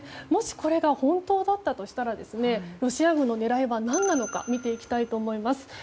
もし、これが本当だったとしたらロシア軍の狙いは何なのか見ていきたいと思います。